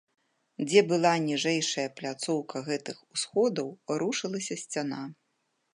Дзе была ніжэйшая пляцоўка гэтых усходаў, рушылася сцяна.